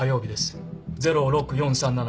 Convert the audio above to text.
０６４３７。